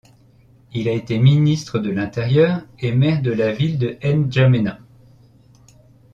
Il a été ministre de l’Intérieur et maire de la ville de N’Djaména.